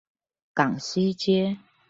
港西街